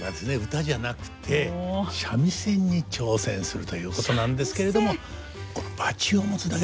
唄じゃなくて三味線に挑戦するということなんですけれども難しそう。